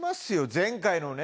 前回のね